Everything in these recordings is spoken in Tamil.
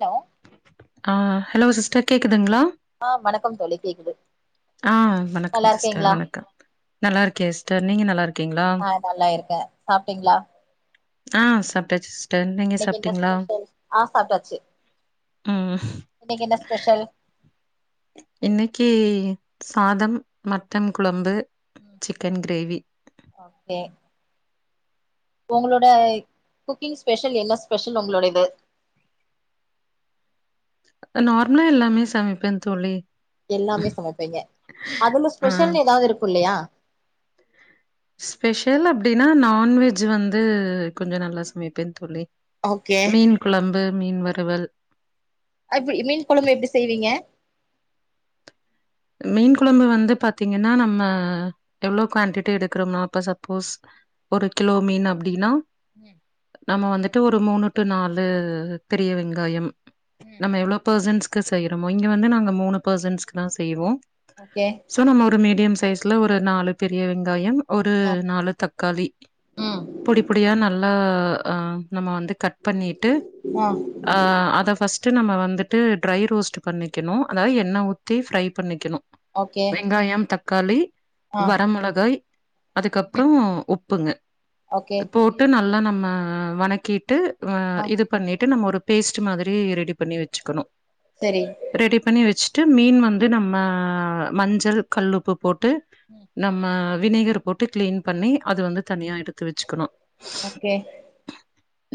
ஹலோ ஆ ஹலோ சிஸ்டர் கேக்குதுங்ளா ஆ வணக்கம் தோழி கேக்குது ஆ நல்லா வணக்கம் சிஸ்டர் இருக்கீங்களா வணக்க நல்லா இருக்கிய சிஸ்டர் நீங்க நல்லா இருக்கீங்களா ஆ நல்லா இருக்கே அ சாப்டிங்ளா ஆ சாப்டாச்சி சிஸ் டர் நீங்க இன்னைக்கு என்ன சாப்பிட்டீங்ளா ஸ்பெஷல் ஆ சாப்ட்டாச்சு ம் இன்னைக்கு என்ன ஸ்பெஷல் இன்னைக்கி சாதம் மட்டன் குழம்பு ம் சிக்கன் கிரேவி ஓகே ஒங்களோட குக்கிங் ஸ்பெஷல் என்ன ஸ்பெஷல் உங்களோடயது நார்மலா எல்லாமே சமைப்பே தோழி எல்லாமே சமைப்பீங்க அதுல ஆ ஸ்பெஷல் எதாவ்து இருக்கு இல்லயா ஸ்பெஷல் அப்டின்னா நான்வெஜ் வந்து கொஞ்ச நல்லா சமைப்பே தோழி ஓகே மீன் குழம்பு மீன் வறுவல் ஆ இப்பி மீன் கொழம்பு எப்டி செய்வீங்க மீன் குழம்பு வந்து பாத்தீங்கன்னா நம்ம எவ்ளோ குவான்டிட்டி எடுக்கிறோம்னா அப்ப சப்போஸ் ஒரு கிலோ மீன் அப்டின்னா ம் நம்ம வந்துட்டு ஒரு மூணு டு நாலு பெரிய வெங்காயம் ம் நம்ம எவ்ளோ பெர்சன்ஸ்க்கு செய்யறோமோ இங்க வந்து நாங்க மூணு பெர்சன்ஸ்கு தா செய்வோ ஓகே சோ நம்ம ஒரு மீடியம் சைஸ்ல ஒரு நாலு பெரிய வெங்காயம் ஒரு ஆ நாலு தக்காளி ம் பொடி பொடியா நல்லா ஆ நம்ம வந்து கட் பண்ணிட்டு ஆ அத ஃபர்ஸ்ட்டு நம்ம வந்துட்டு ட்ரை ரோஸ்ட் பண்ணிக்கணு அதாவது எண்ணெய் ஊத்தி ஃப்ரை பண்ணிக்கணு ஓகே வெங்காயம் தக்காளி ஆ வரமிளகாய் அதுக்கப்பறோ ம் உப்புங்க ஓகே போட்டு நல்லா நம்ம வணக்கிட்டு ஆ இது பண்ணிட்டு நம்ம ஒரு பேஸ்ட் மாரி ரெடி பண்ணி வச்சுக்கணு செரி ரெடி பண்ணி வச்சுட்டு மீன் வந்து நம்ம மஞ்சள் கல்லுப்பு போட்டு ம் நம்ம வினேகர் போட்டு கிளீன் பண்ணி அது வந்து தனியா எடுத்து வச்சுக்கணு ஓகே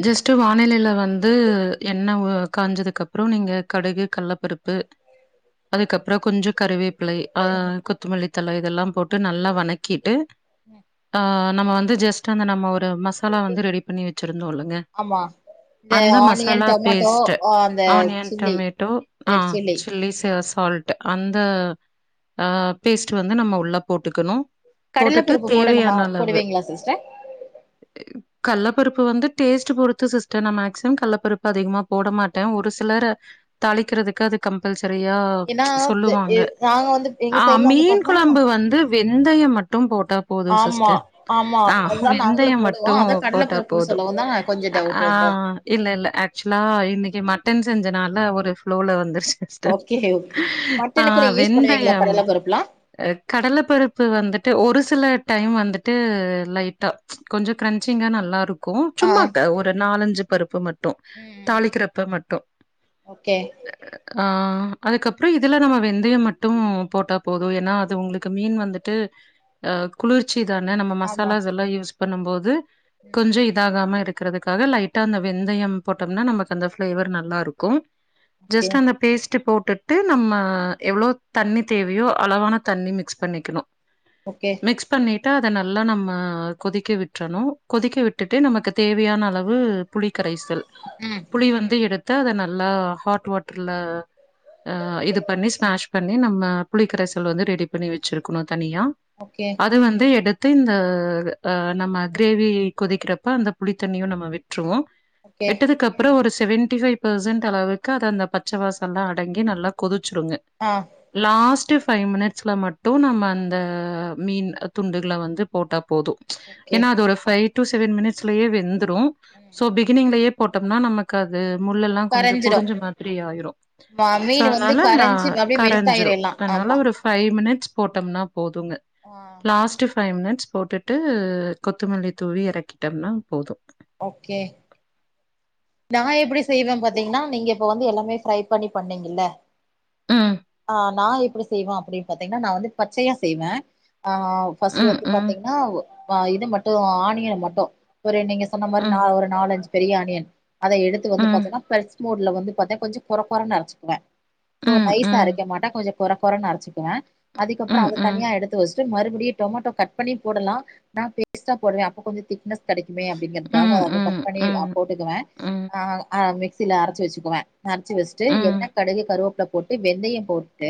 ஜஸ்ட்டு வானிலையில வந்து எண்ணெய் காஞ்சதுக்கு அப்றோ நீங்க கடுகு கல்லப்பருப்பு அதுக்கப்றோ கொஞ்சோ கருவேப்லை ஆ கொத்தமல்லித்தழ இதெல்லா போட்டு நல்லா வணக்கிட்டு ம் ஆ நம்ம வந்து ஜஸ்ட் அந்த நம்ம ஒரு மசாலா வந்து ரெடி பண்ணி வச்சிருந்தோ இல்லங்க ஆமா இந்த அந்த ஆனியன் மசாலா டொமேட்டோ பேஸ்ட்ட ஆ அந்த ஆனியன் சில்லி டொமேட்டோ ஆ சில்லி சாஸ் சால்ட் அந்த ஆ பேஸ்ட்டு வந்து நம்ம உள்ள போட்டுக்கணு கடல போட்டுட்டு பருப்பு போடணுமா தேவையான அளவு போடுவீங்ளா சிஸ்டர் கல்லப்பருப்பு வந்து டேஸ்ட் பொறுத்து சிஸ்டர் நா மேக்சிமம் கல்லப்பருப்பு அதிகமா போடமாட்டே ஒரு சிலர தாளிக்கிறதுக்கு அது கம்பல்சரியா ஏன்னா து எ சொல்லுவாங்க நாங்க வந்து எங்க ஆ சைட்ல வந்து மீன் பாத்தா கொழம்பு வந்து வெந்தயம் மட்டு போட்டா போது ஆமா சிஸ்டர் ஆமா ஆ அதுதா நாங்களு வெந்தயம் போடுவோ மட்டு அதா கடல போட்டா பருப்புன்னு போது சொல்லவு தா கொஞ்ச ஆ டவுட் ஆ வந்து இல்ல இல்ல ஆக்சுவலா இன்னைக்கு மட்டன் செஞ்சனால ஒரு ஃப்ளோல வந்துருச்சு சிஸ்டர் இருங்க ஓகே மட்டனுக்கு நீ யூஸ் பண்ணுவீங்களா கடல பருப்புலா கடலை பருப்பு வந்துட்டு ஒரு சில டைம் வந்துட்டு லைட்டா கொஞ்சோ கிரஞ்சிங்கா நல்லா இருக்கு ஆ சும்மாக்க ஒரு நாலஞ்சு பருப்பு மட் ட்டு ம் ம் தாளிக்கிறப்ப மட்டு ஓகே ஆ அதுக்கப்பறோ இதுல நம்ம வெந்தயம் மட்டும் போட்டா போதும் ஏன்னா அது உங்களுக்கு மீன் வந்துட்டு குளிர்ச்சி தான நம்ம ஆமா மசாலாஸ் எல்லா யூஸ் பண்ணும்போது ம் கொஞ்சோ இதாகாம இருக்கிறதுக்காக லைட்டா அந்த வெந்தயம் போட்டோம்னா நமக்கு அந்த பிளேவர் நல்லா இருக் கும் ஓகே ஜஸ்ட் அந்த பேஸ்ட் போட் டுட்டு நம்ம எவ்ளோ தண்ணி தேவையோ அளவான தண்ணி மிக்ஸ் பண்ணிக்கணு ஓகே மிக்ஸ் பண்ணிவிட்டு அதை நல்லா நம்ம கொதிக்க விட்டுறணும் கொதிக்க விட்டுட்டு நமக்கு தேவையான அளவு புளிகரைசல் ம் புளி வந்து எடுத்து அத நல்லா ஹாட் வாட்டர்ல அ இது பண்ணி ஸ்மாஷ் பண்ணி நம்ம புளி கரைசல் வந்து ரெடி பண்ணி வச்சிருக்கணு தனியா ஓகே அது வந்து எடுத்து இந்த அ நம்ம கிரேவி கொதிக்கிறப்ப அந்த புளித்தண்ணியு நம்ம விட்டுருவோ ஓகே விட்டதுக்கு அப்றோ ஒரு செவன்டி பைவ் பெர்சன்ட் அளவுக்கு அது அந்த பச்ச வாசல்லா அ டங்கி நல்லா கொதிச்சிருங்க அ லாஸ்ட் ஃபைவ் மினிட்ஸ்ல மட்டு நம்ம அந்த மீன் துண்டுகள வந்து போட்டா போது ஓகே ஏன்னா அது ஒரு ஃபைவ் டு செவன் மினிட்ஸ்லயே வெந்துரு சோ பிகினிங்லயே போட்டோம்னா நமக் காது முள்ளெல்லா கொஞ்சோ கரஞ்சிடு பொடிஞ்ச மாதிரி ஆயிரு ஆமா சோ மீன் வந்து அதனால நா கரைஞ்சு அப்டியே மெல்ட் ஆயிரு கரைஞ்சிரும் எல்லா ஆமா அதனால ஒரு பைவ் மினிட்ஸ் போட்டோம்னா போதுங்க ஆ லாஸ்ட் பைவ் மினிட்ஸ் போட்டு ட்டு கொத்துமல்லி தூவி எறக்கிட்டம்னா போது ஓகே நா எப்டி செய்வே பாத்தீங்கன்னா நீங்க இப்ப வந்து எல்லாமே ஃப்ரை பண்ணி பண்ணீங்கல்ல ம் ஆ நா எப்டி செய்வே அப்டின் பாத்தீங்கன்னா நா வந்து பச்சையா செய்வே ஆ பஸ்ட் ம் வந்து ம் பாத்தீங்கன்னா ஆ இது மட்டு ஆணியன் மட்டு ஒரு நீங்க சொன்ன மாரி நா ம் ஒரு நாலு அஞ்சு பெரிய ஆனியன் அத எடுத்து வந்து ம் பாத்தீங்கன்னா பிரஸ் மூட்ல வந்து பாத்த கொஞ்சோ கொற கொறன்னு அரைச்சுக்குவே சோ ம் நைஸா ம் அரைக்க மாட்ட கொஞ்சோ கொற கொறன்னு அரச்சிக்குவே ம் அதுக்கப்றோ ம் அத ம் தனியா எடுத்து வச் ச்சு மறுபடியு டொமாட்டோ கட் பண்ணி போடலா நா பேஸ்டா போடுவே அப்ப கொஞ்சோ திக்னஸ் கெடைக்குமே அப்டிங்கறதுக்காக ம் அத கட் ம் பண்ணி ம் போட்டுக்குவே அ மிக்சியில அரச்சு வச்சுக்குவே அரச்சு வஸ்ட்டு ம் ம் எண்ணெ கடுகு கருவேப்பல போட்டு வெந்தய போட்டு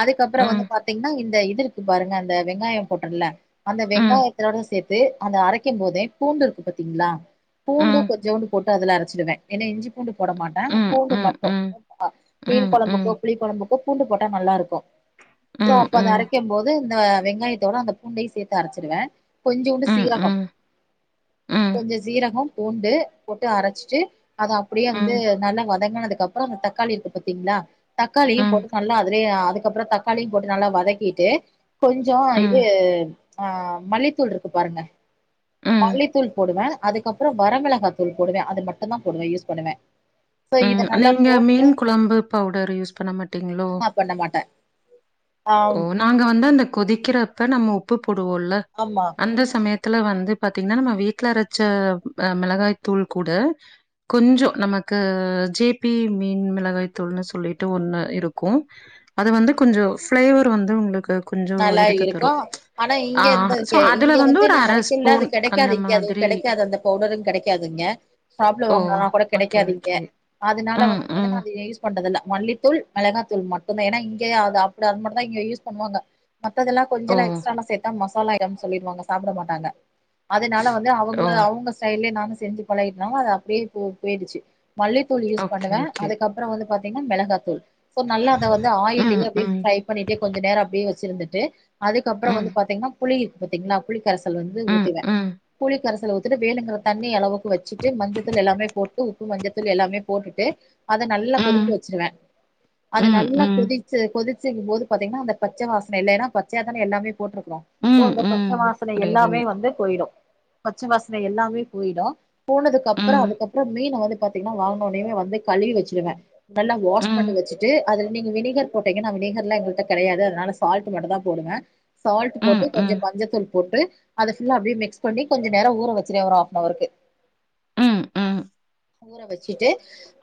அதுக்கப்றோ வந்து ம் பாத்தீங்கன்னா இந்த இது இருக்கு பாருங்க அந்த வெங்காயம் போட்டல அந்த ம் வெங்காயத்தோட சேத்து அந்த அரைக்கு போதே பூண்டு இருக்கு பாத்தீங்களா ம் பூண்டு ம் கொஞ்சவுண்டு போட்டு அதுல அரச்சிடுவே ஏன்னா இஞ்சி பூண்டு போட மாட்டா ம் பூண்டு ம் மட்டு மீன் ம் ம் ம் கொழம்புக்கு புளி கொழம்புக்கு பூண்டு போட்டா நல்லாருக்கு ம் சோ ம் அப்ப அத ம் அரைக்கு போது இந்த வெங்காயத்தோட அந்த பூண்டையு சேத்து அரச்சிடுவே கொஞ்சோண்டு ம் சீரகம் கொஞ்சோ சீரகம் பூண்டு போட்டு அரச்சு ச்சு அது அப்டியே வந்து நல்லா வதங்கனதுக்கு அப்றோ அந்த தக்காளி இருக்கு பாத்தீங்ளா தக்காளியு ம் ம் போட்டு நல்லா அதுலய அதுக்கப்றோ தக்காளியு போட்டு நல்லா வதக்கிட்டு கொஞ்சோ இது ஆ மல்லித்தூள் இருக்கு பாருங்க ம் மல்லித்தூள் போடுவே அதுக்கப்றோ வரமிளகா தூள் போடுவே அது மட் டுந்தா போடுவே யூஸ் பண்ணுவ சோ இத ம் நல்லா நீங்க போட்டு மீன் குழம்பு பவுடர் யூஸ் பண்ண மாட்டீங்களோ ஆ பண்ண மாட்ட ஆ ஓ நாங்க வந்து அந்த கொதிக்கிறப்ப நம்ம உப்பு போடுவோல ஆம்மா அந்த சமயத்துல வந்து பாத்தீங்கன்னா நம்ம வீட்ல அரச்ச ஆ மிளகாய் தூள் கூட கொஞ்சோ நம்ம க்கு ஜேபி மீன் மிளகாய் தூள்ன்னு சொல்லிட்டு ஒண்ணு இருக்கு அது வந்து கொஞ்சோ ஃபிளேவர் வந்து உங்ளுக்கு நல்லா இருக்கு ஆனா இங்க ஸோ இருந்ததுக்கு அதுல இங்க வந்து ஒரு நா அரைக்க ஸ்பூன் [unintelligible] அந்த கெடைக்காது இங்க அது மாதிரி கெடைக்காது அந்த பவுடரு கெடைக்காது இங்க சாப்ல ஓ! வாங்காலனா கூட ஓகே, கெடைக்காது இங்க ஓகே. அதனால ம், வந்து ம். பாத்தீங்கன்னா நா அத யூஸ் பண்றதில்ல மல்லித்தூள் மிளாகா தூள் மட்டு்தா ஏனா இங்கேய அப்டி அது மட்டு தா இங்க யூஸ் பண்ணுவாங்க மத்ததெல்லா கொஞ்சோ ஓ! எக்ஸ்ட்ராலா சேத்தா மசாலா ஐட்டம்னு சொல்லிடுவாங்க சாப்ட மாட்டாங்க அதுனால வந்து அவுங்ள ஓ! அவுங்க ஸ்டைல்லயே நானு செஞ்சி பழகிட்டோ அது அப்டியே போ போய்டுச்சி மல்லித்தூள் யூஸ் ஓகே, பண்ணுவே ஓகே. அதுக்கப்றோ வந்து பாத்தீங்னா மெளகாத்தூள் சோ நல்லா அத வந்து ம், ஆயில்லையே அப்டியே ம். ஃப்ரை பண்ணிட்டே கொஞ்ச நேரோ அப்டியே வச்சிருந்துட்டு அதுக்கப்றோ ம், வந்து பாத்தீங்னா புளி இருக்கு பாத்தீங்ளா புளிக்கரைசல் வந்து ம், ஊத்துவே ம். புளிக்கரைசல ஊத்துட்டு வேணுங்குற தண்ணி அளவுக்கு வச்சிட்டு மஞ்சத்தூள் எல்லாமே போட்டு உப்பு மஞ்சத்தூள் எல்லாமே போட்டுட்டு அத நல்லா கொதிக்கு ம், வச்ருவே அது ம், நல்லா ம். கொதிச்சு கொதிச்சிக்கும்போது பாத்தீங்னா அந்த பச்ச வாஸ் நெல்லேனா பச்சயாதன எல்லாமே போட்ருக்கோ சோ ம், அந்த பச்ச ம். வாசன எல்லாமே புரியுதுங்க. வந்து போயிடு பச்ச வாசன எல்லாமே போயிடு போனதுக்கப்றோ ம், அதுக்கப்றோ மீன வந்து பாத்தீங்னா வாங்னோனேவே வந்து கழிவி வச்சிருவே நல்லா வாஷ் பண்ணி ம், வச்சிட்டு அதுல நீங்க வினிகர் போட்டீங்க நா வினிகர்லா எங்கள்ட கெடையாது அதுனால சால்டு மட்டுதா போடுவே சால்ட் போட்டு ம், கொஞ்ச ம், மஞ்சத்தூள் போட்டு அத ஃபுல்லா அப்டியே மிக்ஸ் பண்ணி கொஞ்ச நேரோ ஊற வச்சிருவே ஒரு ஆஃப்னவர்க்கு ம் ம், ஊற வச்சிட்டு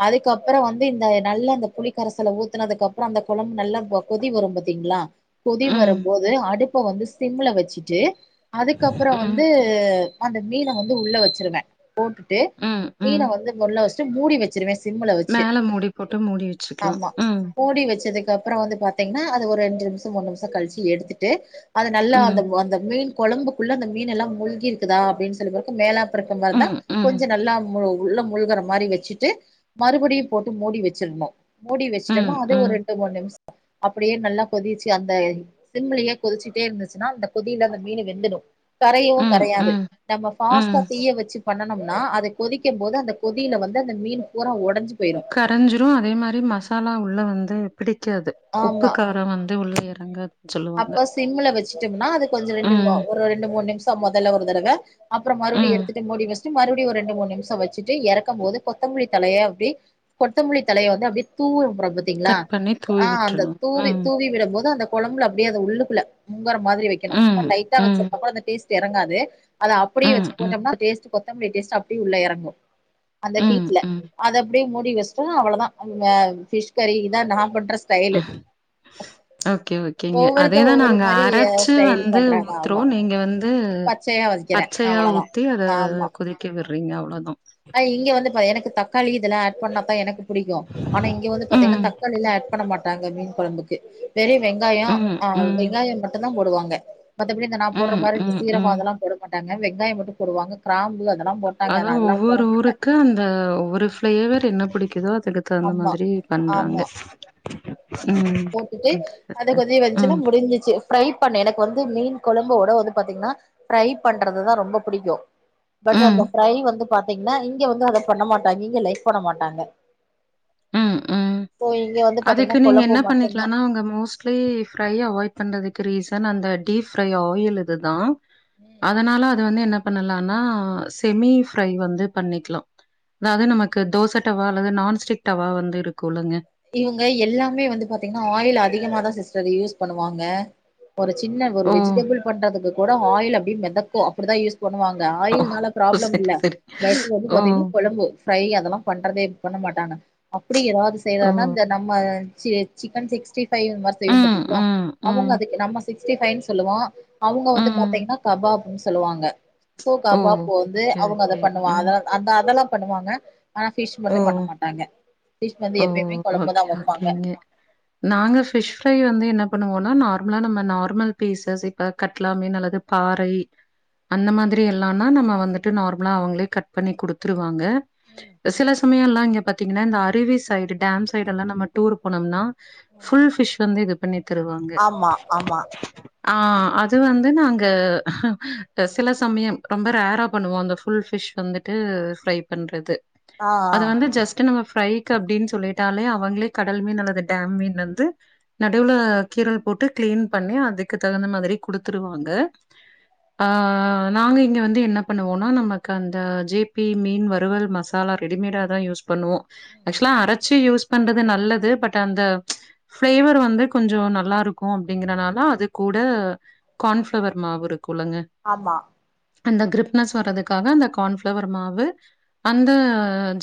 அதுக்கப்றோ வந்து இந்த நல்லா இந்த புளிக்கரசல ஊத்துனதுக்கப் ப்றோ அந்த கொழம்பு நல்லா வ கொதி வரும் பாத்தீங்ளா ம், கொதிவரும்போது அடுப்ப வந்துஸ் சிம்ல வச்சிட்டு அதுக்கப்றோ வந்து அந்த மீன வந்து உள்ள வச்சிருவே போட்டுட்டு ம், மீன ம். வந்து உள்ள வச்ட்டு மூடி வச்சிருவே சிம்ல வச்சி மேல மூடி போட்டு மூடி வச்சுக்கலாம். ஆமா ம், மூடி வச்சதுக்கப்றோ வந்து பாத் தீங்னா அது ஒரெண்டு நிமிஷோ மூணு நிமிஷோ கழிச்சி எடுத்துட்டு அது நல்லா ம், அந்தவ் அந்த மீன் கொழம்புக்குள்ள அந்த மீனெல்லா முழ்கிருக்குதா அப்டின் சொல்லி பிறகு மேலாப்ப இருக்க மாறி இருந்தா ம், ம், கொஞ்ச நல்லா முழு உள்ள முழ்குற மாறி வச்சிட்டு மறுபடியு போட்டு மூடி வச்சிரணு மூடி வச்சிட்டமா ம், அது ஒரு ம், ரெண்டு மூணு நிமிஷோ அப்டியே நல்லா கொதிச் சி அந்த சிம்லயே கொதிச்சிட்டே இருந்துச்சுன்னா அந்த கொதியில அந்த மீனு வெந்துடு கரையவு ம், ம், கரையாது நம்ம ஃபாஸ்டா ம். தீய வச்சி பண்ணனம்னா அத கொதிக்கும்‌ போது அந்த கொதியில வந்து அந்த மீன் பூரா ஒடஞ்சி போய்ரு கரஞ்சிரு அதே மாறி மசாலா உள்ள வந்து பிடிக்காது உப்பு, ஆமா காரம் வந்து உள்ள இறங்காதுன்னு சொல்லுவாங்க. அப்ப சிம்ல வச்சிட்டம்னா அது கொஞ்ச ரெண்டு வ ம், ஒரு ரெண்டு மூணு நிமிஷ க மொதல ஒரு தடவ அப்பறோ மறுபடியு ம். எடுத்துட்டு மூடி வச் டு மறுவடி ஒரு ரெண்டு மூணு நிமிஷோ வச்சிட்டு எறக்கம் போது கொத்தமலி தலைய அப்டி கொத்தமலி தலைய வந்து அப்டியே தூவுற [unintelligible] கட் பண்ணிட் ஆ அந்த தூவி தூவி விடம் போது அந்த கொழம்புல அப்டியே அத உள்ளுக்குள்ள முங்கற மாதிரி வைக்கணு சும்மா ம், லைட்டா ம், வச்சிருந்தம்னா‌ அந்த டேஸ்ட் எறங்காது அது அப்டியே ம், வச்சி போட்டம்னா டேஸ்ட் கொத்தமல்லி டேஸ்ட் அப்டியே உள்ள எறங்கு அந்த ம், ஹீட்ல ம், அத அப்டியே மூடி வச்ட்டா அவ்வளதா அங்க ஃபிஷ் கரி இதா நான் பண்ற ஸ்டைலு ம். ஓகே ஓகேங்க ஒவ்வொருத்த அதேதா ஒவ்வொரு நாங்க மாரி அரச்சு ஸ்டைல் வந்து பண்றாங்க ஊத்ரோ ஆமா நீங்க வந்து பச்சையா வக்கிறே பச்சையா அவ்வளதா ஊத்தி அத கொதிக்க விட்றீங்க அவ்ளோதா நா இங்க வந்து பா எனக்கு தக்காளி இதெல்லா ஆட் பண்ணாதா எனக்கு புடிக்கு ஆனா இங்க வந்து பாத்தீங்னா ம், தக்காளில்லா ஆட் பண்ண மாட்டாங்க மீன் கொழம்புக்கு தெரி வெங்காயோ ம், ஆ ம், வெங்காயோ மட்டுந்தா போடுவாங்க மத்தபடி இந்த நா போட்ற ம், மாறி இந்த ம், சீரகோ ம். அதலா போட மாட்டாங்க வெங்காயோ மட்டு போடுவாங்க கிராம்பு அதலா போட அதா ஒவ்வொரு மாட்டே ஊருக்கு அந்த ஒவ்வொரு பிளேவர் என்ன புடிக்குதோ அதுக்கு தகுந்த ஆமா மாதிரி பண்றாங்க ம் போட்டுட்டு அதை அதுதான். கொஞ்சோ வெந்ச்சுன்னா ம், முடிஞ்சிச்சு ஃப்ரை பண்ணு எனக்கு வந்து மீன் கொழம்ப ஓட‌ வந்து பாத்தீங்ன்னா ஃப்ரை பண்றது தா ரொம்ப புடிக்கு பட் ம், அந்த ஃப்ரை வந்து பாத்தீங்ன்னா இங்க வந்து அத பண்ண மாட்டாங்க இங்க லைக் பண்ண மாட்டாங்க ம், ம். சோ இங்க வந்து பாத்தீங்ன்னா கொழம்பு மட் அவுங்க மோஸ்ட்லி ஃப்ரை அவாய்ட் பண்றதுக்கு ரீசன் அந்த டீப் ஃப்ரை ஆயில் இதுதா அதனால அது வந்து என்ன பண்ணலான்னா செமி ஃப்ரை வந்து பண்ணிக்லா நா அதா நமக்கு தோச டவா அல்லது நான்ஸ்டிக் டவா வந்து இருக்குல்லங்க இவுங்க எல்லாமே வந்து பாத்தீங்கன்னா ஆயில் அதிகமாதா சிஸ்டர் யூஸ் பண்ணுவாங்க ஒரு சின்ன ஒரு ஓ! வெஜிடபிள் பண்றதுக்கு கூட ஆயில் அப்டி மெதக்கு அப்டிதா யூஸ் பண்ணுவாங்க ஓ! ஆயில்னால ப்ராப்ளம் சரி, இல்ல சரி. பட் வந்து ஓ! பாத்தீங்ன்னா கொழம்பு ஃப்ரை அதெல்லா பண்றதே இது பண்ண மாட்டாங்க அப்டி ஏதாவது செய்றதா ஓ! இருந்தா இந்த நம்ம சி சிக்கன் சிக்ஸ்டி ஃபைவ் இந்த மாறி செய்வோ ம், பாத்தீங்ளா ம், அவுங்க ம், அதுக்கு நம்ம சிக்ஸ்டி ஃபைவ்ன் சொல்லுவோ அவுங்க வந்து ம். பாத்தீங்ன்னா கபாப்ன் சொல்லுவாங்க சோ ஓ! கபாப் வந்து ஓகே, அவுங்க அத ஓகே. பண்ணுவா ம். அதார் அந்த அதெல்லா பண்ணுவாங்க ஆனா பிஷ் ஓ! மட்டு பண்ண மாட்டாங்க பிஷ் வந்து ஓ! எப் எப்பயுமே கொழம்புதா ஓகே, வப்பாங்க ஓகேங்க. நாங்க ஃபிஷ் ஃப்ரை வந்து என்ன பண்ணுவோனா நார்மலா நம்ம நார்மல் பீசஸ் இப்போ கட்லா மீனு அல்லது பாறை அந்த மாதிரி எல்லான்னா நம்ம வந்துட்டு நார்மலா அவங்களே கட் பண்ணி குடுத்துருவாங்க ம் செல சமயோல்லா இங்க பாத்தீங்ன்னா இந்த அருவி சைடு டம் சைடு எல்லா நம்ம டூர் போனோம்னா ஃபுல் பிஷ் வந்து இது பண்ணி தருவாங்க ஆமா ஆமா ஆ அது வந்து நாங்க சில சமயம் ரொம்ப ரேரா பண்ணுவோ அந்த ஃபுல் ஃபிஷ் வந்துட் டு ஃப்ரை பண்றது ஆ ஆ அது வந்து ஜஸ்ட் டு நம்ம ஃப்ரைக் அப்டின் சொல்லிட்டாலே அவங்களே கடல் மீன் அல்லது டேம் மீன் வந்து நடுவுல கீரல் போட்டு க்ளீன் பண்ணி அதுக்கு தகுந்த மாதிரி குடுத்துடுவாங்க ஆ நாங்க இங்க வந்து என்ன பண்ணுவோனா நமக்கு அந்த ஜே பி மீன் வறுவல் மசா மசாலா ரெடிமேடா தா யூஸ் பண்ணுவோ ஆக்சுவலா அரச்சு யூஸ் பண்றது நல்லது பட் அந்த ஃப்ளேவர் வந்து கொஞ்சோ நல்லா இருக்கு அப்டிங்றனால அது கூட கான்ஃப்ளவர் மாவு இருக்குல்லங்க ஆமா அந்த கிரிப்னஸ் வர்றதுக்காக அந்த கான்ஃப்ளவர் மாவு அ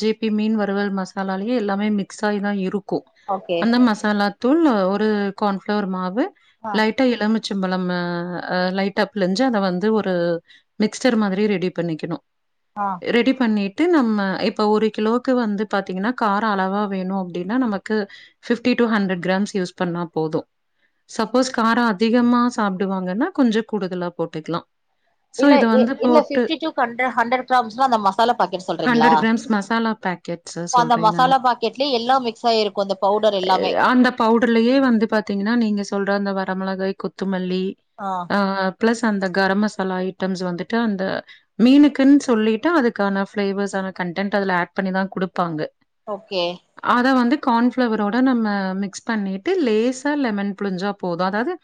ஜே பி மீன் வறுவல் மசாலாலேயு எல்லாமே மிக்ஸாகி தா இருக்கு ஓகே அந்த மசாலா தூள் ஒரு கான்ப்ஃளவர் மாவு ஆ லைட் டா எலுமிச்சம்பழம் மே அ லைட்டா புளிஞ்சு அத வந்து ஒரு மிக்ஸ்டர் மாதிரி ரெடி பண்ணிக்குணு ஆ ரெடி பண்ணிட்டு நம்ம ஆ இப்ப ஒரு கிலோவுக்கு வந்து பாத்தீங்ன்னா காரோ அளவா வேணு அப்டின்னா நமக்கு fifty to hundred grams use பண்ணா போது சப்போஸ் காரோ அதிகமா சாப்டுவாங்கன்னா கொஞ்சோ கூடுதலா போட்டுக்லா சோ இது வந்து போட்டு பண்றே ஹண்ட்ரட் கிராம்ஸ்ல அந்த மஸ் மசாலா பாக்கெட் சொல்றிங்ளா ஹண்ட்ரட் கிராம்ஸ் மசாலா பேக்கெட்ஸு இப்ப அந்த சொல்றே நானு மசாலா பாக்கெட்லே எல்லா மிக்ஸ் ஆயிருக்கு அந்த பவுடர் எல்லாமே அந்த பவுடர்லயே வந்து பாத்தீங்கன்னா நீங்க சொல்ற அந்த வரமிளகாய் கொத்தமல்லி ஆ ஆ பிளஸ் அந்த கரம் மசாலா ஐட்டம்ஸ் வந்துட்டு அந்த மீனுக்குன்னு சொல்லிட்டு அதுக்கான பிளேவர்ஸான கண்டெட் அதுல ஆட் பண்ணிதா குடுப்பாங்க ஓகே அத வந்து கான்ப்ஃளவரோட நம்ம மிக்ஸ் பண்ணிட்டு லேசா லெமன் புழிஞ்சா போது அதாது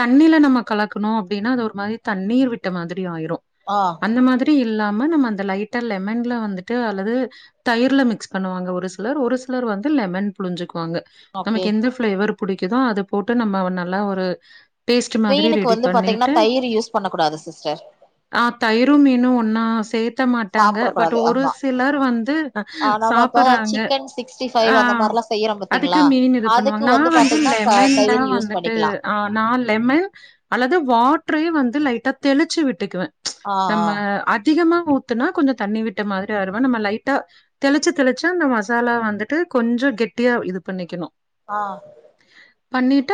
தண்ணில நம்ம கலக்கணோ அப்டின்னா அது ஒரு மாரி தண்ணீர் விட்ட மாதிரி ஆயிரு ஆ அந்த மாதிரி இல்லாம நம்ம அந்த லைட்டா லெமன் ல வந்துட்டு அல்லது தயிர்ல மிக்ஸ் பண்ணுவாங்க ஒரு சிலர் ஒரு சிலர் வந்து லெமன் புழிஞ்சுக்குவாங்க ஓகே நமக்கு எந்த பிளேவர் புடிக்குதோ அத போட்டு நம்ம நல்லா ஒரு பேஸ்ட் மாதிரி வெயிலுக்கு ரெடி வந்து பாத்தீங்கன்னா பண்ணிட்டு, தயிர் யூஸ் பண்ணக் கூடாது சிஸ்டர் ஆ தயிரு மீனு ஒண்ணா சேத்த மாட்டாங்க சாப்பிட பட் டு கூடாது ஒரு ஆமா சிலர் வந்து ஆ நம்ம இப்ப சாப்புறாங்க சிக்கன் சிக்ஸ்டி ஃபைவ் ஆ அந்த மாரிலா செய்யறோ அதுக்கு பாத்தீங்களா மீன் இருக்கணு அதுக்கு நா வந்து பாத்தீங்கன்னா த லெமன் தா தயிர் யூஸ் வந்துட்டு பண்ணிக்கலா ஆ நா லெமன் அல்லது வாட்ரே வந்து லைட்டா தெளிச்சு விட்டுக்குவே ஆ நம்ம அதிகமா ஊத்துனா கொஞ்சோ தண்ணி விட்ட மாதிரி வருவே நம்ம லைட்டா தெளிச்சு தெளிச்சு அந்த மசாலா வந்துட்டு கொஞ்சோ கெட்டியா இது பண்ணிக்கணு ஆ பண்ணிட்டு